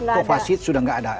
kopasit sudah tidak ada